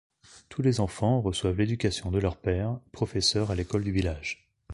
Tous les enfants reçoivent l'éducation de leur père, professeur à l'école du village.